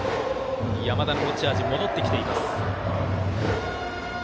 山田の持ち味、戻ってきています。